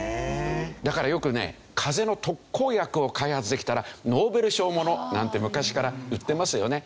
だからよくね風邪の特効薬を開発できたらノーベル賞ものなんて昔から言ってますよね。